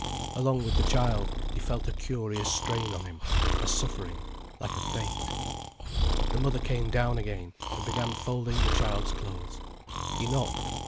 Along with the child, he felt a curious strain on him, a suffering, like a fate. The mother came down again, and began folding the child's clothes. He knocked.